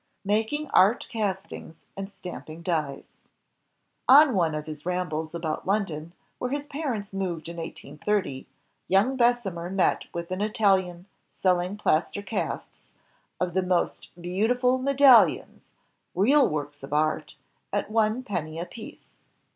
Making Art Castings AND Stamping Dies On one of his rambles about London, where his parents moved in 1830, young Bessemer met with an Italian selling plaster casts "of the most beautiful medallions, real works of art, at one penny apiece."